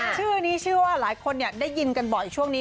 ชื่อนี้ชื่อว่าหลายคนได้ยินกันบ่อยช่วงนี้